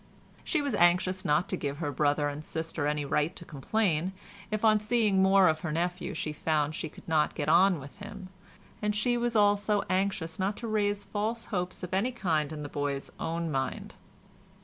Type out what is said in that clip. She was anxious not to give her brother and sister any right to complain, if on seeing more of her nephew she found she could not get on with him, and she was also anxious not to raise false hopes of any kind in the boy's own mind.